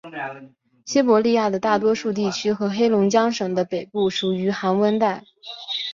西伯利亚的大多数地区和黑龙江省的北部属于寒温带。